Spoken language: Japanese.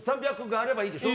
あればいいでしょ。